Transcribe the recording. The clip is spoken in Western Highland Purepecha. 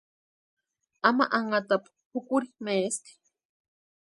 Ama anhatapu pʼukuri maesti.